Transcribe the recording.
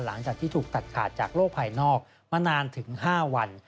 หลังจากที่ถูกตัดขาดจากโลกภายนอกมานานถึง๕วัน